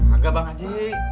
agak bang haji